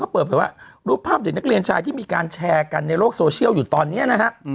เปิดเผยว่ารูปภาพเด็กนักเรียนชายที่มีการแชร์กันในโลกโซเชียลอยู่ตอนนี้นะฮะ